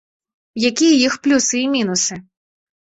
Якія іх плюсы і мінусы.